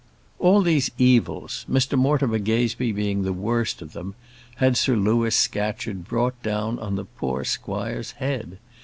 All these evils Mr Mortimer Gazebee being the worst of them had Sir Louis Scatcherd brought down on the poor squire's head.